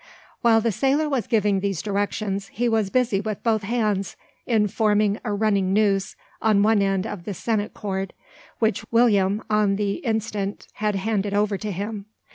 While the sailor was giving these directions, he was busy with both hands in forming a running noose on one end of the sennit cord, which William on the instant had handed over to him.